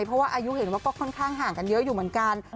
เพราะว่าอายุเห็นว่าก็ค่อนข้างห่างกันเยอะอยู่เหมือนกัน